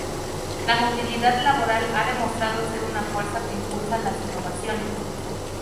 La movilidad laboral ha demostrado ser una fuerza que impulsa las innovaciones.